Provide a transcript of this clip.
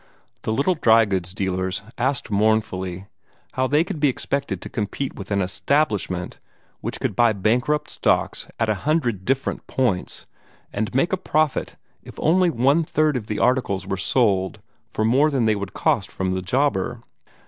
The little dry goods dealers asked mournfully how they could be expected to compete with an establishment which could buy bankrupt stocks at a hundred different points, and make a profit if only one third of the articles were sold for more than they would cost from the jobber?